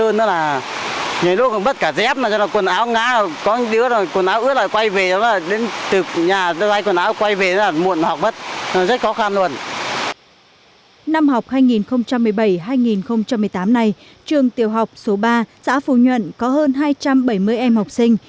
năm học hai nghìn một mươi bảy hai nghìn một mươi tám này trường tiểu học số ba xã phú nhuận có hơn hai trăm bảy mươi em học sinh